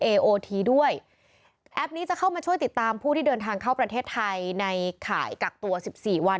ด้วยแอปนี้จะเข้ามาช่วยติดตามผู้ที่เดินทางเข้าประเทศไทยในข่ายกักตัวสิบสี่วัน